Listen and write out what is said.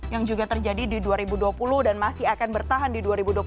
yang juga terjadi di dua ribu dua puluh dan masih akan bertahan di dua ribu dua puluh